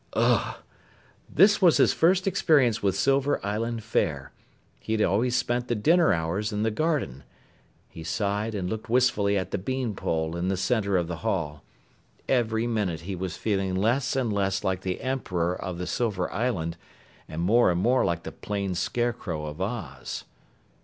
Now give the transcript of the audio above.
Ugh! This was his first experience with Silver Island fare. He had always spent the dinner hours in the garden. He sighed, and looked wistfully at the bean pole in the center of the hall. Every minute he was feeling less and less like the Emperor of the Silver Island and more and more like the plain Scarecrow of Oz.